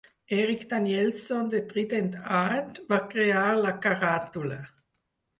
Erik Danielsson de Trident Art va crear la caràtula.